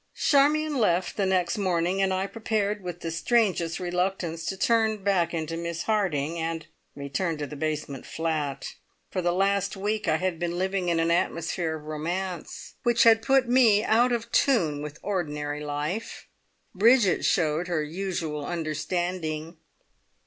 Charmion left the next morning, and I prepared, with the strangest reluctance, to turn back into Miss Harding, and return to the basement flat. For the last week I had been living in an atmosphere of romance, which had put me out of tune with ordinary life. Bridget showed her usual understanding.